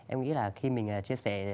em nghĩ là khi mình chia sẻ